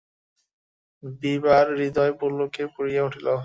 বিভার হৃদয় পুলকে পুরিয়া উঠিল।